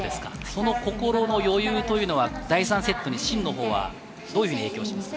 心の余裕というのは第３セット、シンのほうはどういうふうに影響しますか？